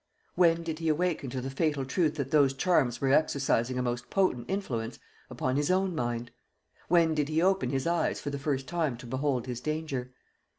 When did he awaken to the fatal truth that those charms were exercising a most potent influence upon his own mind? When did he open his eyes for the first time to behold his danger?